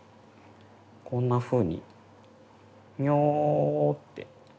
こんなふうにみょって。